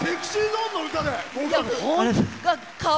ＳｅｘｙＺｏｎｅの歌で合格！